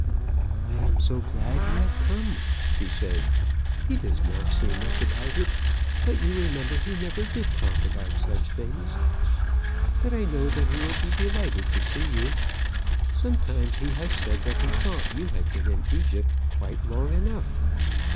"I am so glad you have come!" she said. "He does not say much about it. You remember he never did talk about such things. But I know that he will be delighted to see you. Sometimes he has said that he thought you had been in Egypt quite long enough."